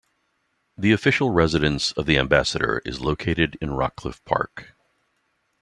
The official residence of the Ambassador is located in Rockcliffe Park.